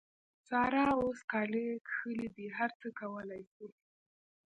سارا اوس کالي کښلي دي؛ هر څه کولای سي.